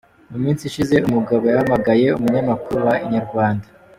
Mu minsi ishize uyu mugabo yahamagaye umunyamakuru wa Inyarwanda.